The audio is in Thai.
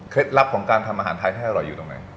ลับของการทำอาหารไทยให้อร่อยอยู่ตรงไหน